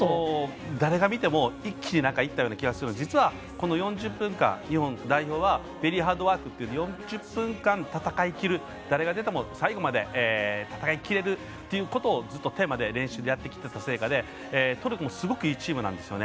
誰が見ても一気に入ったような気がしますが実は４０分間日本代表はベリーハードワークっていう４０分間戦い切る誰が出ても最後まで戦い切れるということをテーマにやってきた成果でトルコも、すごくいいチームなんですよね。